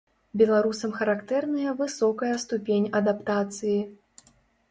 Беларусам характэрная высокая ступень адаптацыі.